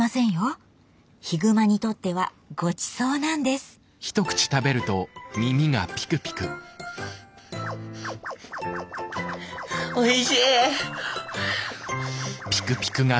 ヒグマにとってはごちそうなんですおいしい。